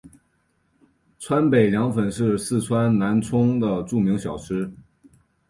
川北凉粉是四川南充的著名小吃。